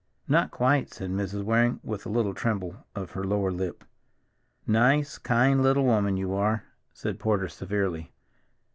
"Not quite," said Mrs. Waring with a little tremble of her lower lip. "Nice, kind little woman you are," said Porter severely.